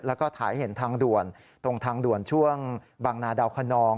แล้วก็ถ่ายเห็นทางด่วนตรงทางด่วนช่วงบางนาดาวคนนอง